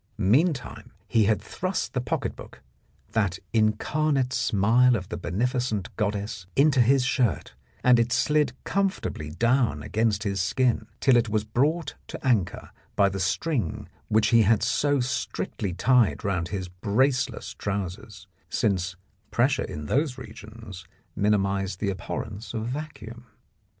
Meantime, he had thrust the pocket book — that incarnate smile of the beneficent goddess — into his shirt, and it slid comfortably down against his skin, till it was brought to anchor by the string which he had so strictly tied round his braceless trousers, since pressure in those regions minimised the abhorrence of vacuum.